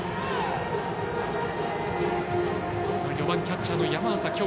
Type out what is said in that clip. ４番、キャッチャーの山浅。